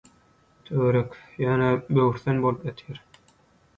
Töwerek, ýöne, böwürslen bolup ýatyr.